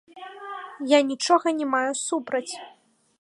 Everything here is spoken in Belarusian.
Я нічога не маю супраць.